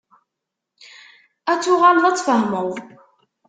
Ad ttuɣaleḍ ad ttfehmeḍ.